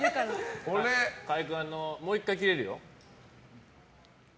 河合君、もう１回切れるよ。